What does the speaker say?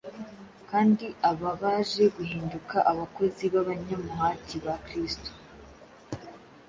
kandi aba baje guhinduka abakozi b’abanyamuhati ba Kristo.